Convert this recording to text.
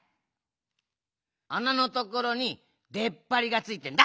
あなのところにでっぱりがついてんだ。